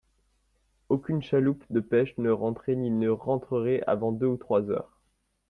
Aucune chaloupe de pêche ne rentrait ni ne rentrerait avant deux ou trois heures.